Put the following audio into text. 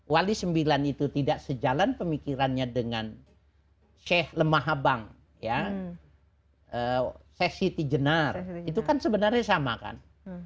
wali sembilan itu tidak sejalan pemikirannya dengan syekh lemahabang ya eh sesi tijenar itu kan sebenarnya sama kan